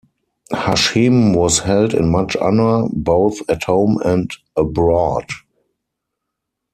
Hashim was held in much honour, both at home and abroad.